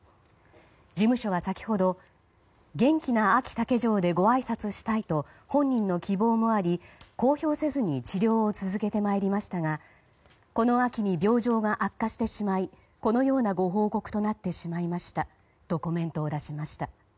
事務所は先ほど元気なあき竹城でごあいさつしたいと本人の希望もあり、公表せずに治療を続けてまいりましたがこの秋に病状が悪化してしまいこのようなご報告となってしまいましたとコメントを出しました。